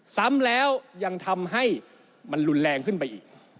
ซ้ำแล้วยังทำให้มันรุนแรงขึ้นไปอีก